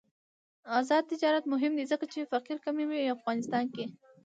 آزاد تجارت مهم دی ځکه چې فقر کموي افغانستان کې.